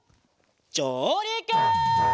じょうりく！